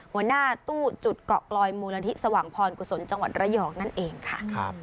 หัวหน้าตู้จุดเกาะกลอยมูลนิธิสว่างพรกุศลจังหวัดระยองนั่นเองค่ะ